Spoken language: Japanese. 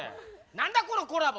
何だこのコラボ。